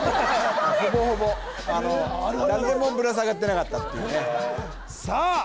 ほぼほぼ誰もぶら下がってなかったっていうねさあ